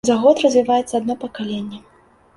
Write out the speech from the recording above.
За год развіваецца адно пакаленне.